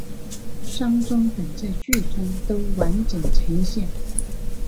丧钟等在剧中都完整呈现。